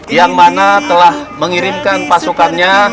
yang mana telah mengirimkan pasukannya